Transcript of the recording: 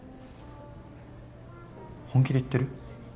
本気で言ってる？